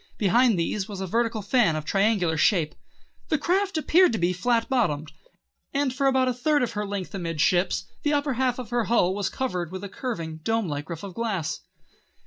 Behind these was a vertical fan of triangular shape. The craft appeared to be flat bottomed, and for about a third of her length amidships the upper half of her hull was covered with a curving, domelike roof of glass.